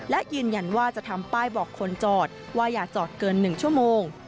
และยืนยันว่าจะทำป้ายบอกคนจอดว่าอย่าจอดเกิน๑ชั่วโมง